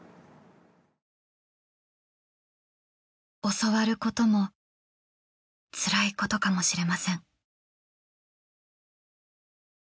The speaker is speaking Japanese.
教わることもつらいことかもしれません。